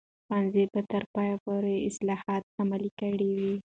ښوونځي به تر پایه پورې اصلاحات عملي کړي وي.